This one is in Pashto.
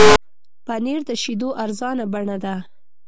پنېر د شیدو ارزانه بڼه ده.